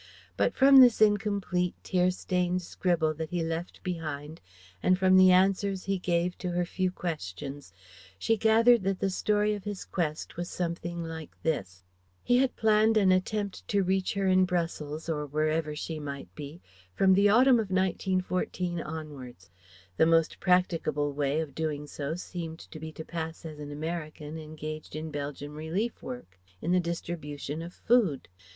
But from this incomplete, tear stained scribble that he left behind and from the answers he gave to her few questions, she gathered that the story of his quest was something like this: He had planned an attempt to reach her in Brussels or wherever she might be, from the autumn of 1914 onwards. The most practicable way of doing so seemed to be to pass as an American engaged in Belgian relief work, in the distribution of food.